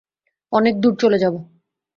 অনেক দূরে চলে যাবো।